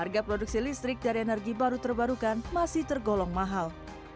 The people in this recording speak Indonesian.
kondisi listrik dari energi baru terbarukan masih tergolong mahal